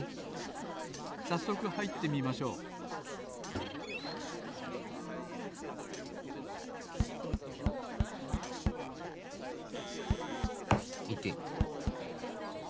さっそくはいってみましょういてっ！